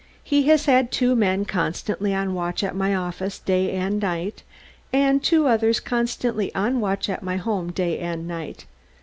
"He has had two men constantly on watch at my office, day and night, and two others constantly on watch at my home, day and night.